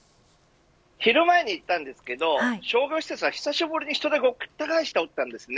昼前に行ったんですが商業施設は久しぶりに人でごった返していました。